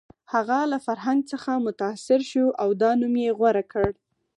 هغه له فرهنګ څخه متاثر شو او دا نوم یې غوره کړ